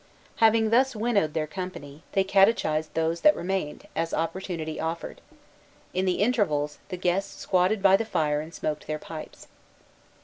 Having thus winnowed their company, they catechized those that remained, as opportunity offered. In the intervals, the guests squatted by the fire and smoked their pipes.